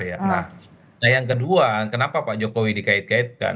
nah yang kedua kenapa pak jokowi dikait kaitkan